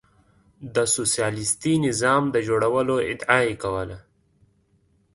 د سوسیالیستي نظام د جوړولو ادعا یې کوله.